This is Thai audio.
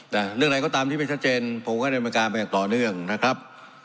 แต่เรื่องอะไรก็ตามที่ไม่ชัดเจนผมก็ดำเนินการไปอย่างต่อเนื่องนะครับ